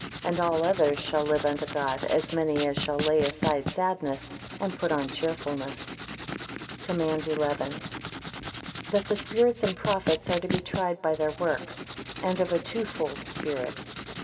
And all others shall live unto God, as many as shall lay aside sadness, and put on cheerfulness. COMMAND XI. That the spirits and prophets are to be tried by their works; and of a twofold, spirit.